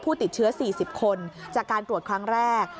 ติดเชื้อ๔๐คนจากการตรวจครั้งแรก